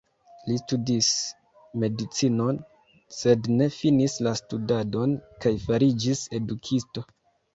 Li studis medicinon, sed ne finis la studadon kaj fariĝis edukisto.